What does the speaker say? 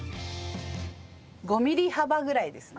５ミリ幅ぐらいですね。